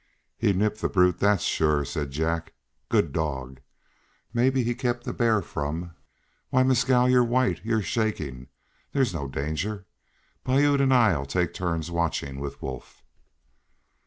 "He nipped the brute, that's sure," said Jack. "Good dog! Maybe he kept the bear from Why Mescal! you're white you're shaking. There's no danger. Piute and I'll take turns watching with Wolf."